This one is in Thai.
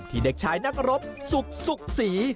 ที่เด็กชายนักรบสุกศรี